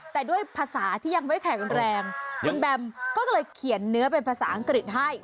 แต่ด้วยภาษาที่ยังไม่แข็งแรงคุณแบมก็เลยเขียนเนื้อเป็นภาษาอังกฤษให้